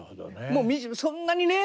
もうそんなにね